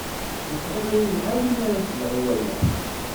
Yettɣiḍ-iyi lḥal mi ara sleɣ i waya.